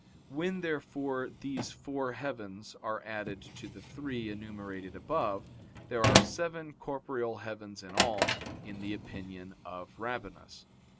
When, therefore, these four heavens are added to the three enumerated above, there are seven corporeal heavens in all, in the opinion of Rabanus.